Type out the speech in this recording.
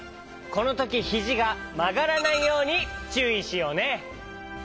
このときひじがまがらないようにちゅういしようね！